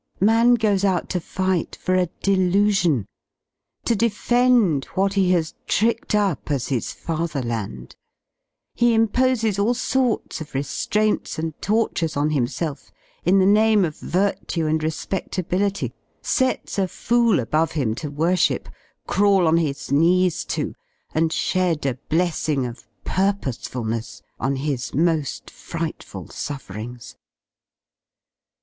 Alan goes qut_to_^^tJoi:_a_del.usion, to defend what he hasTriclcecr up as his Fatherland; he imposes all sorts of re^raints and tortures on himself in the name of Virtue and Respedlability, sets a fool above him to worship, crawl on his knees to, and shed a blessing of "purposeful . ness" on his mo^ frightful sufferings.